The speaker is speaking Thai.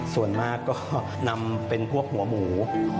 ส่วนมากก็นำเป็นพวกหัวหมู